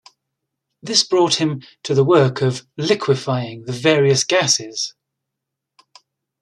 This brought him to the work of liquefying the various gases.